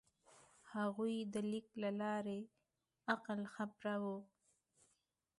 هغوی د لیک له لارې عقل خپراوه.